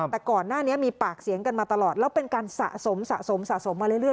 แต่ก่อนหน้านี้มีปากเสียงกันมาตลอดแล้วเป็นการสะสมสะสมสะสมมาเรื่อย